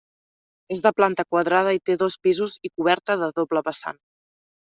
És de planta quadrada i té dos pisos i coberta de doble vessant.